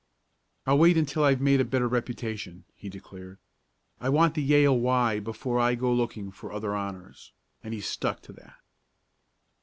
"I'll wait until I've made a better reputation," he declared. "I want the Yale Y before I go looking for other honors;" and he stuck to that.